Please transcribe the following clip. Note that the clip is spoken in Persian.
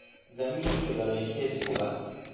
زمینی که برای کشت خوب است